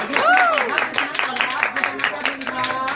ขอบคุณครับ